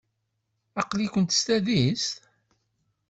Aql-ikent s tadist?